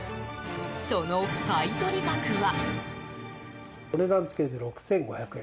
その買い取り額は。